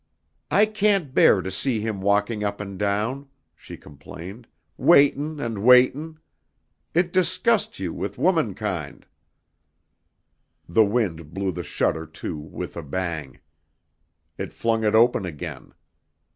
"I can't bear to see him walking up and down," she complained, "waitin' and waitin'. It disgusts you with woman kind." The wind blew the shutter to with a bang. It flung it open again.